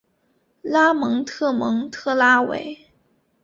拉莫特蒙特拉韦。